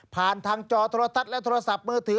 ผ่านทางจอโทรทัศน์และโทรศัพท์มือถือ